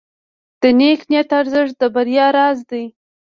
د نیک نیت ارزښت د بریا راز دی.